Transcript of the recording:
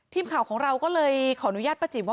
ทีมข่าวของเราก็เลยขออนุญาตป้าจีบว่า